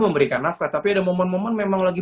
memberikan nafkah tapi ada momen momen memang lagi